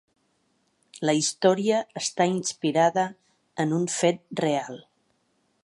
La història està inspirada en un fet real.